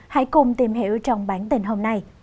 hãy cùng tìm hiểu trong bản tin hôm nay